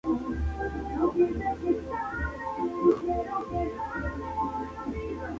Windsor fue ligada románticamente con frecuencia a sus compañeros actores.